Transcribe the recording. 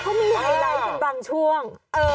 พ่อมีไหลยัยใบบางช่วง